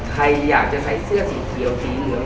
ใครอยากจะใส่เสื้อสีเขียวสีเหลือง